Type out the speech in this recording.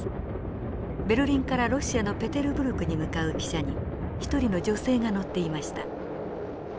ベルリンからロシアのペテルブルクに向かう汽車に一人の女性が乗っていました。